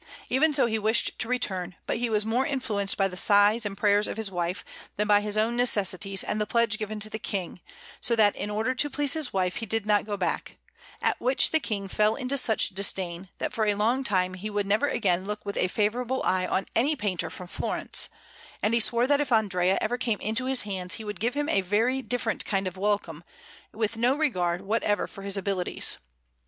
Even so he wished to return, but he was more influenced by the sighs and prayers of his wife than by his own necessities and the pledge given to the King, so that, in order to please his wife, he did not go back; at which the King fell into such disdain, that for a long time he would never again look with a favourable eye on any painter from Florence, and he swore that if Andrea ever came into his hands he would give him a very different kind of welcome, with no regard whatever for his abilities.